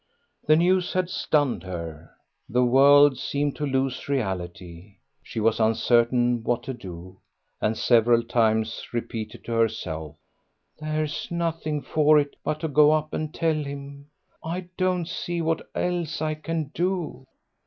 The news had stunned her; the world seemed to lose reality; she was uncertain what to do, and several times repeated to herself, "There's nothing for it but to go up and tell him. I don't see what else I can do."